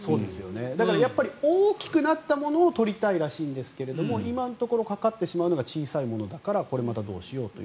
だからやっぱり大きくなったものを取りたいらしいんですが今のところかかってしまうのが小さいものだからこれまたどうしようと。